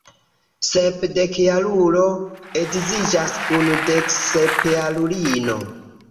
Sepdekjarulo edziĝas kun deksepjarulino.